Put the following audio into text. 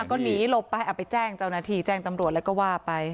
แล้วก็หนีหลบไปเอาไปแจ้งเจ้าหน้าที่แจ้งตำรวจแล้วก็ว่าไป